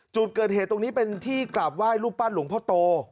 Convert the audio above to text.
จุดเกิดเหตุตรงนี้เป็นที่กราบไหว้รูปปั้นหลวงพ่อโต